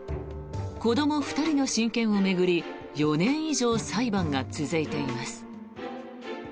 子どもたち２人の親権を巡り４年以上裁判が続いています。